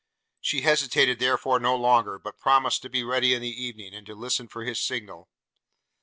She hesitated therefore no longer, but promised to be ready in the evening, and to listen for his signal.